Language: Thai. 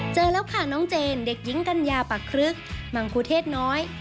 เจอแล้วค่ะน้องเจนเด็กหญิงกัญญาปักครึกมังคุเทศน้อย